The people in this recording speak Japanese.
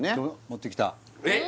持ってきたえっ！